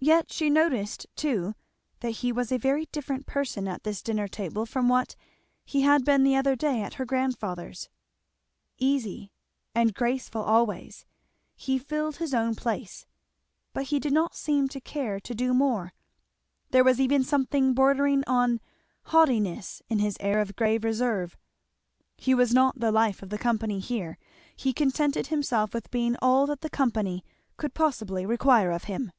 Yet she noticed, too, that he was a very different person at this dinner table from what he had been the other day at her grandfather's. Easy and graceful, always, he filled his own place, but did not seem to care to do more; there was even something bordering on haughtiness in his air of grave reserve. He was not the life of the company here; he contented himself with being all that the company could possibly require of him.